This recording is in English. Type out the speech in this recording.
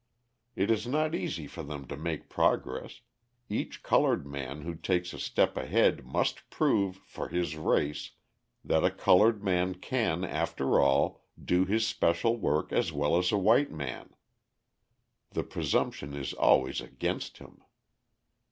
It is not easy for them to make progress: each coloured man who takes a step ahead must prove, for his race, that a coloured man can after all, do his special work as well as a white man. The presumption is always against him.